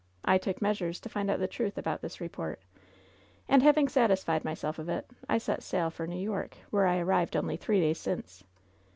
I took measures to find out the truth about this report, and having satisfied myself of it, I set sail for New York, where I arrived only three days since.